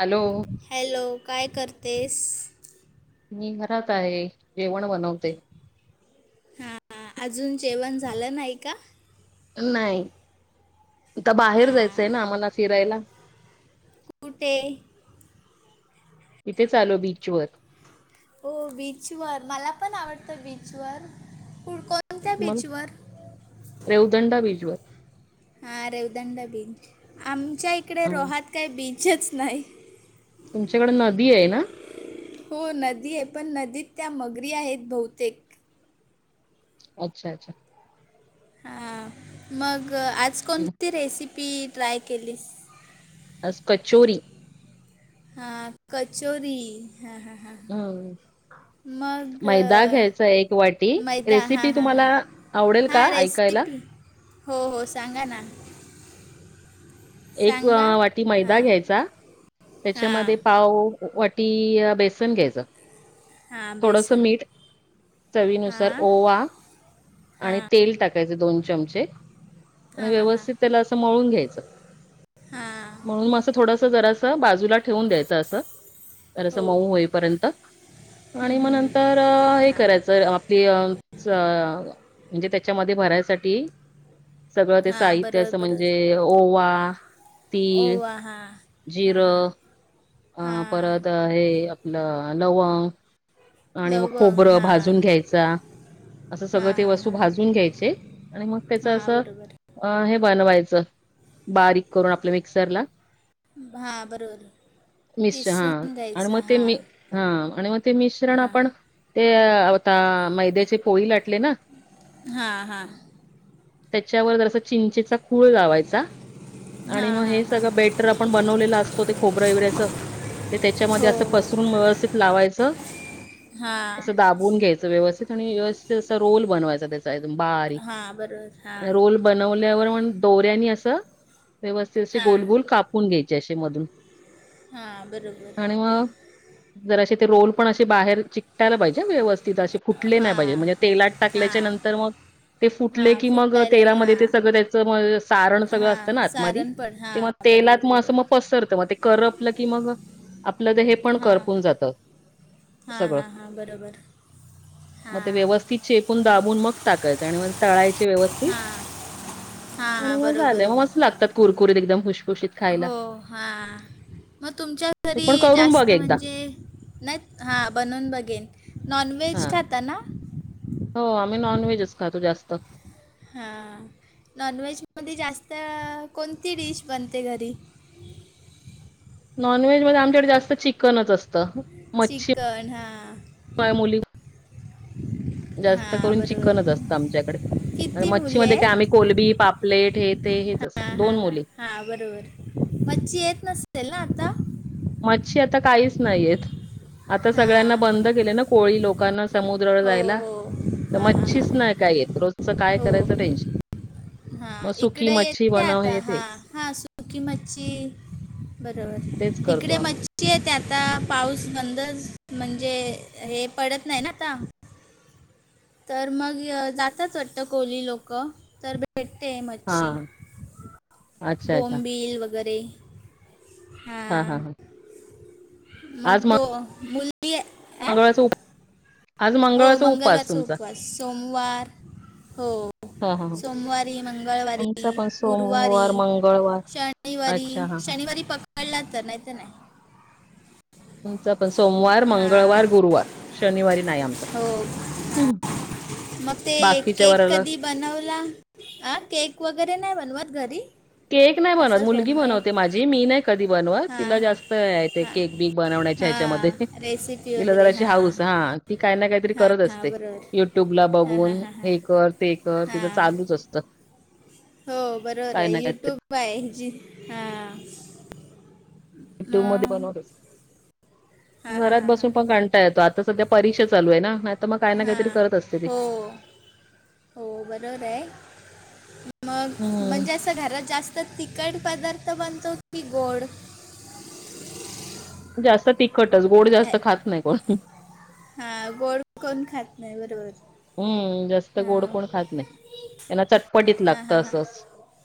Hello. Hello काय करतेस? मी घरात आहे जेवण बनवते. हा अजून जेवण झालं नाही का? नाही आता बाहेर जायचंय हां ना आम्हाला फिरायला. ते तिथेच आलो बीचवर. हो बीचवर मला पण आवडतं बीचवर कुड कोणत्या मग बीचवर? रेवदंडा बिचवर. हा रेवदंडा बीच आमच्या इकडे अ रोहात काही बीचच नाही. तुमच्याकडं नदी आहे ना. हो नदी आहे पण नदीत त्या मगरी आहेत बहुतेक. अच्छा अच्छा. हा मग आज हं, कोणती रेसिपी ट्राय केलीस? आज कचोरी. हा कचोरी हा हा हा. हम्म. मग? मैदा अ, घ्यायचा एक वाटी मैदा रेसिपी हां हां हां तुम्हाला आवडेल का हां ऐका कायला रेसिपी हो हो सांगा ना. एक सांगा वाटी मैदा हां घ्यायचा हां त्याच्यामध्ये पाव वाटीय बेसन घ्यायचं. हां थोडस बेसन मीठ चवीनुसार हां ओवा हां आणि तेल टाकायचे दोन चमचे आणि हां हां व्यवस्थित त्याला असं मळून घ्यायचं. हा. मळून मग असं थोडस जरास बाजूला ठेवून द्यायचं असं जरास हो मऊ होईपर्यंत हं, आणि मग हं, हं. नंतर ते हे हां करायचं आपल अ म्हणजे त्याच्यामध्ये भरायसाठी सगळं ते हां साहित्य अस बरोबर म्हणजे बरोबर ओवा तीळ ओवा हां हां हां जिरं अ हां परत हे आपलं लवंग आणि मग लवंग खोबरं हां भाजून घ्यायचा. असं सगळं हां ते हां वस्तू भाजून घ्यायचे आणि मग त्याच हां असं बरोबर अ हे बनवायचं बारीक करून आपलं मिक्सरला. भा बरोबर किसून घ्यायच हा हा आणि मग ते मिश्रण आपण ते आता मैद्याचे पोळी लाटले ना हा हा. त्याच्यावर जरसा चिंचेचा कोळ लावायचा. आणि हां मग हां हे हां सगळं बेटर आपण बनवलेलं असतो ते खोबरं वगैरेच ते त्याच्यामध्ये हो असं हो पस चूरून व्यवस्थित लावायचं. हां असं दाबवून घ्यायचं व्यवस्थित आणि व्यवस्थित अस रोल बनवायचा त्याजा [unintelligible] बारीक हां बरोबर हां रोल बनवल्यावर मग दोऱ्यानी असं व्यवस्थित असे गोल हां गोल कापून घ्यायचे असे मधून. हां बरोबर आणि मग जरा असे ते रोल पण अशे बाहेर चिकायला पाहिजे व्यवस्थ तिथ असे फुटले नाही हां पाहिजे म्हणजे तेलात टाकल्याच्या हां नंतर मग ते हां फुटले की मग फुटायला तेलामध्ये हां ते सगळं ते मग सारंन सगळं हां असतं ना आत मध्ये सारण पण ते हां मग तेलात बरोबर मग असं मग बरोबर पसरते करपल कि मग आपलं तर हे पण हां करपून जात. हां हां हां बरोबर. मग ते हां व्यवस्थित चेकून दाबून मग टाकायच आणि मग तळायचे व्यवस्थित हां हां आणि हां मग बरोबर झाल मस्त बरोबर लागतात कुरकुरीत एकदम खुशखुशीत. खायला हो हा मग तुमच्या तू घरी पण करून बघ जास्त एकदा म्हणजे नाहीत हां बनवून बघेन नॉन व्हेज हा खाता ना? हो आम्ही नॉनव्हेजच खातो जास्त. हां नॉनव्हेजमध्ये जास्त कोणती डिश बनते घरी? नॉनव्हेज मध्ये आमच्याकडे जास्त चिकनच असतं. चिकन हा वाय मुली जास्त हां करून बरोबर चिकनच असतं आमच्याकडे किती मच्छी मुली मध्ये काय आहेत आम्ही कोलबी पापलेट हे ते हेच अस हा हा दोन हा मुली. हा बरोबर मच्छी येत नसेल ना आता? मच्छी आता काहीच नाहीेयेत आता हा सगळ्यांना बंद केले ना कोळी लोकांना समुद्रा वर हो जायला हो तर हा हा मच्छीच हा नाही काय येत. रोजचं काय हो करायचं टेन्शन हा मग सुकी इकडे मच्छी येते बनव आता येते हा हा सुकी मच्छी तेच बरोबर करतो इकडे आम्ही मच्छ ची ए आता पाऊस बंदच म्हणजे?? हे पडत नाही ना आता? तर मग जाताच वाटतं कोहली लोकं भेट्टते हा मच्छी अच्छा अच्छा बोम्बील वगैरे. हा आज मग तो मुलग मंगळाचा उप आज मंगळवारचा उपास तुमचा. सोमवार हो हा हा. सोमवारी मंगळवारी आमचा पण गुरुवारी सोमवार, मंगळवार शनिवारी अच्छा हा. शनिवारी कळला तर नाहीत नाही. तुमच पण सोमवार मंगळवार हां गुरुवार शनिवारी नाही आमचा. हो मग ते बाकीच्या केक वाराला कधी बनवला अ केक वगैरे नाही बनवत घरी? केक नाही बनवत असंच मुलगी होममेड बनवते माझी मी नाही कधी बनवत हां तिला हां जास्त ते हां केक बीक बनवण्याच्या ह्याच्यामध्ये हां रेसिपी तीला वगैरे जराशी हां हाऊस हा ती काही ना काहीतरी करत असते. हम्म. [unintelligible] युट्यूब ला बघून हे कर ते कर तिथं हां चालूच असत. हो बरोबर आहे युट्यूब आहे हीजी हा यट्यूब मध्ये [unintelligible] बनवत हां हां घरात हां हां बसून पण कंं येतो आता सध्या परीक्षा चालू आहे ना नाहीतर मग काय ना काहीतरी हां करत असते ती. हो हो बरोबर आहे मग हम्म म्हणजेच अस घरात जास्त तिखट पदार्थ बनतो की गोड? जास्त तिखटच गोड जास्त खात नाही कोण. हा गोड कोण खात नाही बरोबर. हम्म जास्त गोड हां कोण खात नाही त्यांना चटपटीत हां लागत हां हां असंच.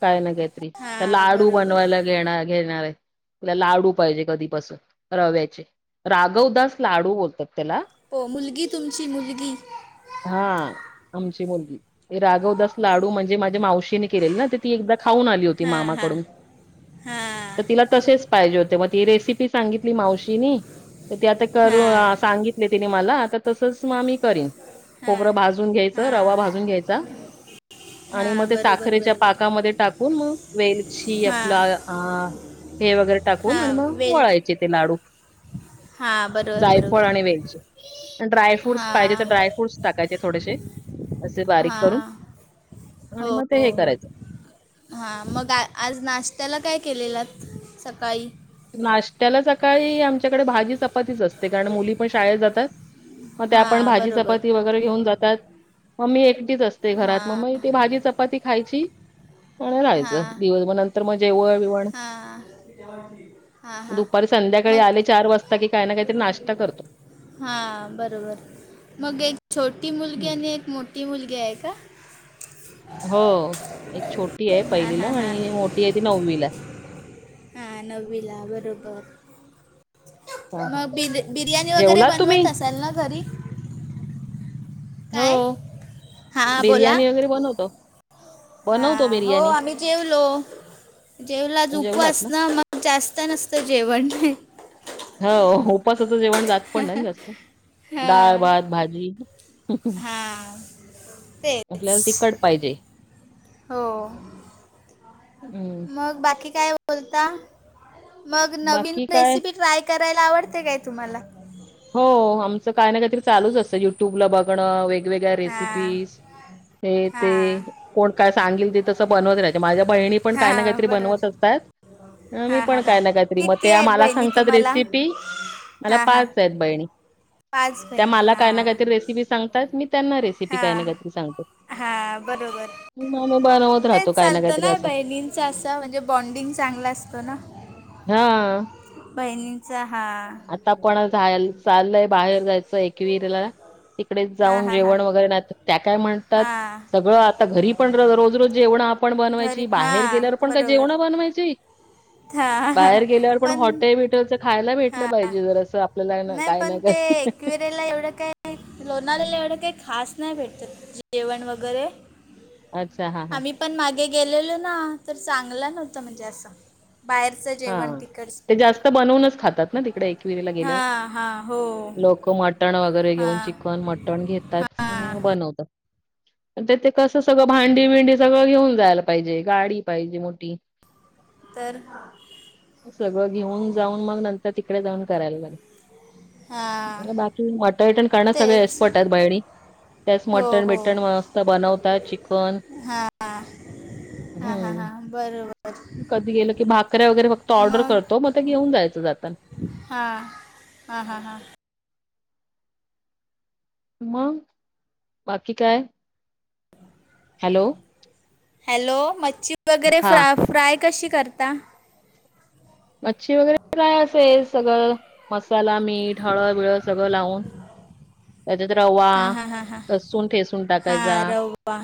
काय ना काहीतरी त्या हां लाडू बरोबर बनवायला घेणार घेणार आहे. तिला लाडू पाहिजे कधीपासून रव्याचे राघवदास लाडू बोलतात त्याला. हो मुलगी तुमची मुलगी हा आमची मुलगी ते राघवदास लाडू म्हणजे माझ्या मावशीने केलेले ना ते ती एकदा खाऊन आली होती हां हां मामाकडून. हां तर तिला तसेच पाहिजे होते मग ती रेसिपी सांगितली मावशीनी. ते आता करू हां सांगितले तिने मला आता तसंच मग मी करीन. हां खोबरं भाजून घ्यायचं रवा हां भाजून घ्यायचा आणि मग हां ते बरोबर साखरेच्या बरोबर पाकामध्ये टाकून मग वेलची हां आपला आ हे वगैरे टाकून आणि हां मग वेल वळायचे ते लाडू. हां बरोबर जायफळ आणि बरोबर वेलची ड्रायफ्रूटस पाहिजे तर हां ड्राय फ्रुट्स टाकायचे थोडेसे असे बारीक हां करून आणि मग ते हे करायचं. हा मग आ आज नाशत्याला काय केलेलं सकाळी नाश्त्याला सकाळी आमच्याकडे भाजी चपातीच असते कारण मुली पण शाळेत जातात. मग ते आपण हां भाजी बरोबर चपाती वगैरे घेऊन जातात मग मी एकटीच असते घरात मग हां मी ते भाजी चपाती खायची आणि मग राहयच दिवसभर नंतर मग जेवळ विवण हा. दुपारी संध्याकाळी आले चार वाजता कि काही ना काहीतरी नाश्ता करतो. हा बरोबर मग एक छोटी मुलगी हं. आणि एक मोठी मुलगी आहे का? हो एक छोटी आहे हां पहिलीला हां हां आणि मोठी आहे ती नववीला. हा नववीला बरोबर. हां, हां. मग बीर बिर्याणी वगैरे जेवलात तुम्ही? बनवत असाल ना घरी? हो काय? हां बिर्याणी वगैरे बनवतो. हा बनवतो हो बिर्याणी आम्ही जेवलो जेवलाज उपस ना मग जास्त नसतं जेवण हो उपासाचं जेवण जात पण ना जास्त हां डाळ भात, भाजी हां तेच म्हल्याला तिकट पाहिजे. हो हम्म मग बाकी काय बोलता मग नवीन बाकी काय रेसिपी ट्राय करायला आवडते काय तुम्हाला? हो आमचं काय नाही काहीतरी चालूच असतं युट्यूब ला बघणं वग वेगळ्या हां रेसिपीज तेथे हां कोण काय सांगितलं माझ्या वहिनी पण काही ना हां काहीतरी बनवत बरोबर असतात. मी हां पण हां हां काही ना काहीतरी मग किती ते आहेत मला बहिणी सांगतात तुम्हाला रेसिपी मला हां हां पाच सेद बहिणी पाच त्या बहिणी मला काय ना काही तरी हां रेसिपी सांगतात मी त्यांना रेसिपी करायला सांगतो. हा बरोबर. मम बनवत ते राहतो काही चालतो काहीतरी ना असं. बहिणींचा असा म्हणजे बॉण्डिंग चांगला असतो ना. हा. बहिणींचा हा आता कोणाला चाललोय बाहेर जायचं एकविरा तिकडे हां जाऊन हां हां जेवण वगैरे नाही त्या काय म्हणतात हां सगळं आता घरी पण रोज रोज जेवण पण घरी बनवायची बाहेर हां गेल्यावर पण का बरोबर जेवणा बनवायची. बाहेर गेल्यावर पण हॉटेल बिटेलच खायला हा भेटलं पाहिजे जर असं. आपल्याला आहे ना काय न कर. त्याला एवढं काय लोणालेला एवढं काही खास नाही भेटतात जेवण वगैरे अच्छा हा हा. आम्ही पण मागे गेलेलो ना तर चांगलं नव्हतं म्हणजे असं. बाहेरच. हा ते जास्त बनवूनच खातात ना तिकडे ला गेल्या हां हां हो लोक मटण वगैरे घेऊन हां चिकन मट पण घेतात पण हां बनवतात. उद्या ते कसं सगळं भांडी मेंढी सगळं घेऊन जायला पाहिजे गाडी पाहिजे मोठी तर हे सगळं घेऊन जाऊन मग नंतर तिकडे जाऊन करायला हां म बाकी मटण करणं सगळे तेच एक्सपर्ट आहेत बयणी त्यास हो मटण, हो बिटन मस्त बनवतात चिकन हां हम्म. परव. कधी गेल की भाकऱ्या वगैरे फक्त ऑर्डर करतो मग तर घेऊन जायचं जाताना. हा हा हा हा. मग बाकी काय हॅलो. हॅलो मच्छी वगैरे हा फ्राय कशी करता? मच्छी वगैरे काय असेल सगळं मसाला मीठ हळ बिळ सगळं लावून त्याच्यात रवा हां हां हां हां अससून ठेसून टाकायचा. हां रवा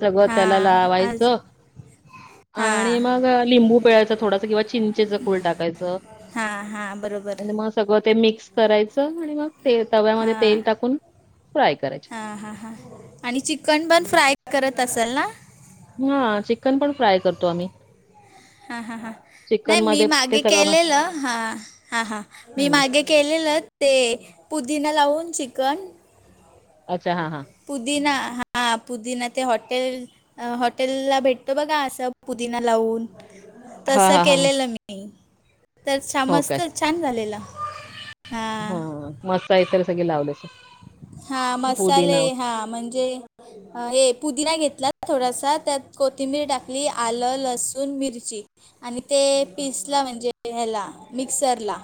सगळं त्याला हां आज लावायचं हां आणि मग लिंबू पिळाचं थोडास किंवा चिंचेचं. फूल टाकायच. हां हां बरोबर सगळं ते मिक्स करायचं आणि मग ते तव्यामध्ये तेल टाकून फ्राय करायच आ हा ह. आणि चिकन पण फ्राय करत असेल ना. हा चिकन पण फ्राय करतो आम्ही हा ह हां नाही चिकन मी मध्ये ते मागे सगळं म केलेलं हा हा हा मी हं मागे केलेलं ते पुदीना लावून चिकन अच्छा हा, हा पुदीना हा पुदीना ते हॉटेल हॉटेल ला भेटतो बघा असं पुदिना लावून हा तस हा हा केलेलं मी तर छ हो काय मस्त छान झालेला हा मस्त आहे सगळे लाव दस हा मसाले हा म्हणजे हे पुदिना घेतला थोडासा त्यात कोथिंबीर टाकली आलं, लसूण, मिरची आणि ते पीसला म्हणजे ह्याला मिक्सरला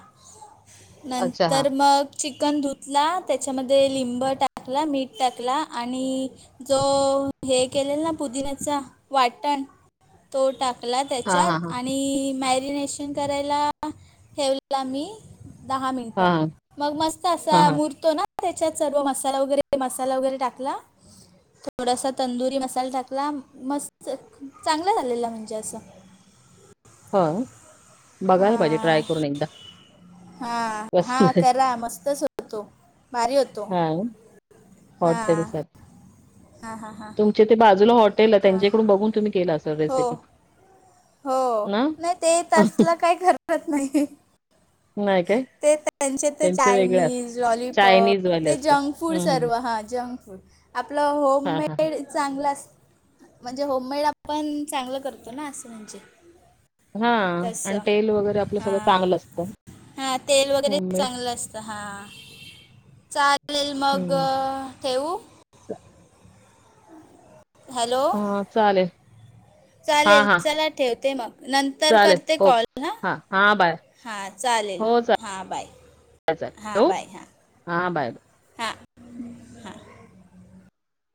अच्छा हा नंतर मग चिकन धुतला त्याच्यामध्ये लिंब टाकला मीठ टाकला आणि जो हे केलेल ना पुदिन्याचा वाटण तो टाकला हा त्याच्या आणि हा हा आणि मॅरिनेशन करायला ठेवला मी दहा हा मिनटं मग मस्त हा असा हा मुरतो ना अच्छा सर्व मसाला वगैरे मसाला वगैरे टाकला थोडासा तंदुरी मसाला टाकला मस्त चांगला झालेला म्हणजे असं. ह बघायला पाहिजे ट्राय करून एकदा हा, हा कसं करा मस्तच होतो भारी होतो हा हा हॉटेल हा हा हा. तुमचे ते बाजूला हॉटेल आहे त्यांच्याकडून बघून तुम्ही केल असेल तुम्ही हो रेसिपी हो ना नाही ते तसलं काही करवत नाही नाही काय ते त्यांचे तर त्यांचं वेगळं असतं चायनीज लॉलिपॉप चायनीजवाले ते असतात जंकफूड हं, हं. सर्व हा जंकफूड आपलं हां, हां, हां. होममेड चांगलं अस म्हणजे होममेड आपण चांगलं करतो ना असं म्हणजे हा आणि तसं तेल वगैरे आपलं सगळं चांगलं असतं. हा तेल वगैरे होममेड चांगलं असतं हा चालेल मग हं. ठेवू चा हॅलो हा चालेल हां, चालेल हां. चला ठेवते मग नंतर चालेल. करते ओके. कॉल हा हां, हां, बाय. हां चालेल हां बाय. हो हा बाय बा. हा